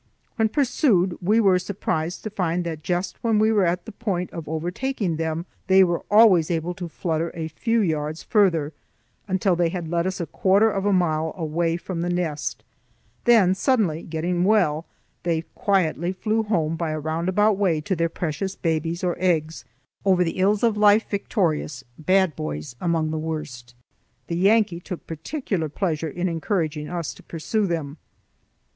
When pursued we were surprised to find that just when we were on the point of overtaking them they were always able to flutter a few yards farther, until they had led us about a quarter of a mile from the nest; then, suddenly getting well, they quietly flew home by a roundabout way to their precious babies or eggs, o'er a' the ills of life victorious, bad boys among the worst. The Yankee took particular pleasure in encouraging us to pursue them.